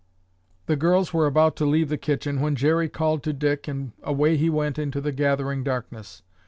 The girls were about to leave the kitchen when Jerry called to Dick and away he went into the gathering darkness.